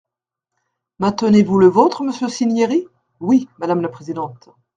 Maintenez-vous le vôtre, monsieur Cinieri ? Oui, madame la présidente.